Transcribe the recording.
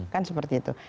kan seperti itu